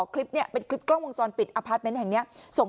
คลิปนี้เป็นคลิปกล้องวงจรปิดอพาร์ทเมนต์แห่งนี้